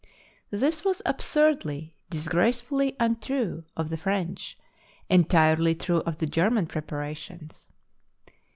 This was absurdly, disgracefully untrue of the French, entirely true of the German prepara tions.